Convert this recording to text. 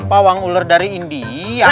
pawang ular dari india